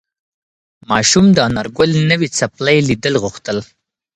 ماشوم د انارګل نوې څپلۍ لیدل غوښتل.